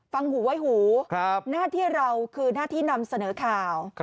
ฟังหูไว้หูหน้าที่เราคือหน้าที่นำเสนอข่าว